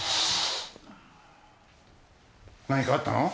何かあったの？